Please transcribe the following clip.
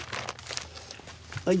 はい。